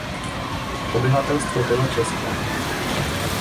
Obyvatelstvo bylo české.